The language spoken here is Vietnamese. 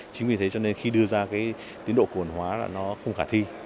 chính vì thế cho nên khi đưa ra cái tín độ cổ khuẩn hóa là nó không khả thi